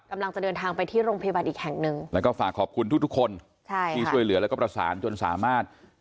กำลังจะเดินทางไปที่โรงพยาบาลอีกแห่งหนึ่งแล้วก็ฝากขอบคุณทุกทุกคนใช่ที่ช่วยเหลือแล้วก็ประสานจนสามารถ